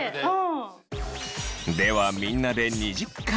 ではみんなで２０回！